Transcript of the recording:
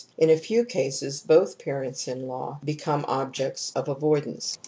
In a few cases both parents in law become objects of avoidance.